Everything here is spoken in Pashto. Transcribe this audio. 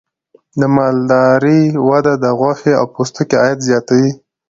د مالدارۍ وده د غوښې او پوستکي عاید زیاتوي.